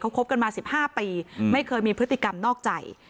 คบกันมา๑๕ปีไม่เคยมีพฤติกรรมนอกใจ